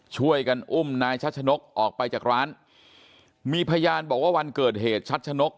ช่วยกันอุ้มนายชัชนกออกไปจากร้านมีพยานบอกว่าวันเกิดเหตุชัดชะนก